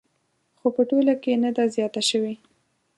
خو په ټوله کې نه ده زیاته شوې